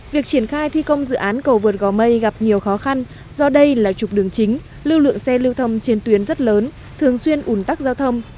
việc triển khai thi công dự án cầu vượt gò mây gặp nhiều khó khăn do đây là trục đường chính lưu lượng xe lưu thông trên tuyến rất lớn thường xuyên ủn tắc giao thông